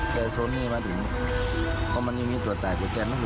สวัสดีครับสวัสดีครับ